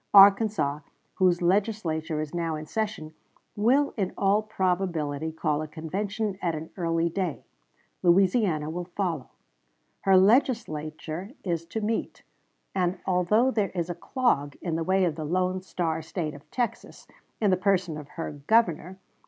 Arkansas, whose Legislature is now in session, will in all probability call a convention at an early day. Louisiana will follow. Her Legislature is to meet; and although there is a clog in the way of the lone star State of Texas, in the person of her Governor